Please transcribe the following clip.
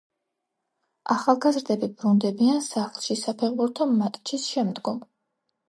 ახალგაზრდები ბრუნდებიან სახლში საფეხბურთო მატჩის შემდგომ.